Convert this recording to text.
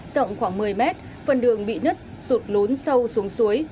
rộng khoảng một mươi mét phần đường bị nứt sụt lốn sâu xuống suối